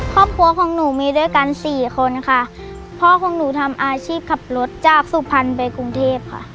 ครอบครัวของหนูมีด้วยกันสี่คนค่ะพ่อของหนูทำอาชีพขับรถจากสุพรรณไปกรุงเทพค่ะ